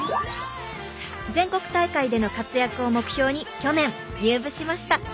全国大会での活躍を目標に去年入部しました。